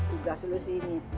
tugas lu sih ini